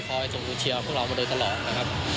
ส่งดูเชียร์พวกเรามาโดยตลอดนะครับ